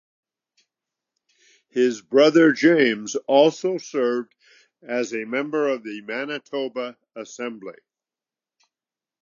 His brother James also served as a member of the Manitoba assembly.